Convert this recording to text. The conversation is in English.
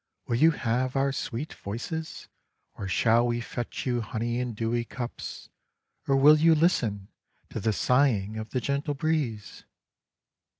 Will you have our sweet voices? Or shall we fetch you honey in dewy cups? Or will you listen to the sighing of the gentle breeze?